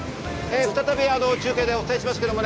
再び中継でお伝えします。